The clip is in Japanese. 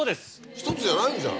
１つじゃないんじゃん。